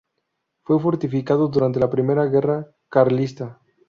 Fue fortificado durante la Primera Guerra Carlista.